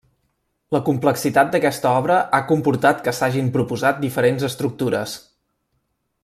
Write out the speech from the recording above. La complexitat d'aquesta obra ha comportat que s'hagin proposat diferents estructures.